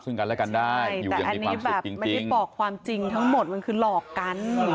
ซึ่งกันและกันได้อยู่อย่างมีความสุขจริงแต่อันนี้แบบไม่ได้บอกความจริงทั้งหมดมันคือหลอกกัน